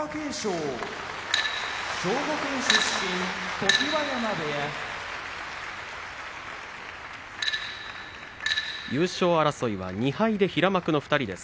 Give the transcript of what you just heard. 常盤山部屋優勝争いは２敗で平幕の２人です。